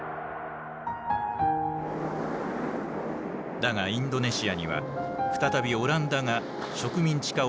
だがインドネシアには再びオランダが植民地化をねらい侵攻。